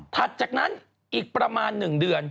ถัดจากนั้นอีกประมาณ๑เดือน